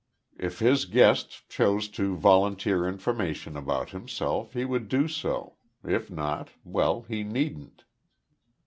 If his guest chose to volunteer information about himself he would do so, if not well, he needn't.